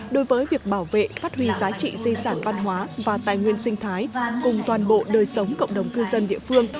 đối với việc bảo vệ phát huy giá trị di sản văn hóa và tài nguyên sinh thái cùng toàn bộ đời sống cộng đồng cư dân địa phương